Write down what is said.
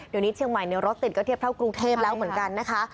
เดี๋ยวนี้เชียงใหม่รถติดก็เทียบเท่ากรุงเทพแล้วเหมือนกันนะคะ